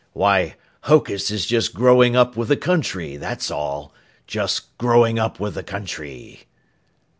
Why, Hokus is just growing up with the country, that's all, just growing up with the country."